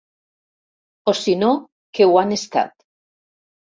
O si no, que ho han estat.